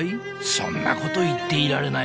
そんなこと言っていられない］